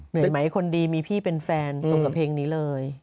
ไหมคนดีมีพี่เป็นแฟนตรงกับเพลงนี้เลย